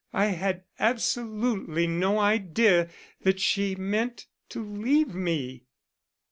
I had absolutely no idea that she meant to leave me."